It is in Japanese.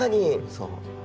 そう。